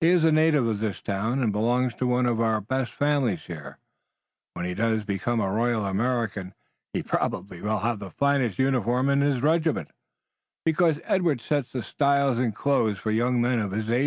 "He is a native of this town and belongs to one of our best families here. When he does become a Royal American he will probably have the finest uniform in his regiment, because Edward sets the styles in raiment for young men of his age here."